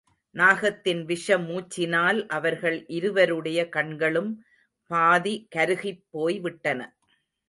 நாகத்தின் விஷ மூச்சினால் அவர்கள் இருவருடைய கண்களும் பாதி கருகிப் போய்விட்டன.